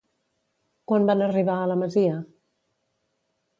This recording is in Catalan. Quan van arribar a la masia?